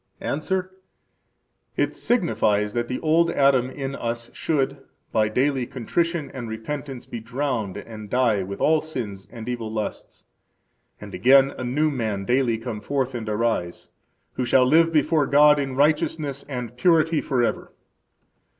–Answer: It signifies that the old Adam in us should, by daily contrition and repentance, be drowned and die with all sins and evil lusts, and, again, a new man daily come forth and arise; who shall live before God in righteousness and purity forever.